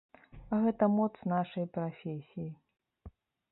Гэта моц нашай прафесіі.